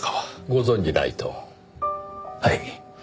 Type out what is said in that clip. ご存じないと？はい。